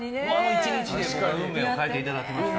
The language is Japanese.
１日で運命を変えていただきました。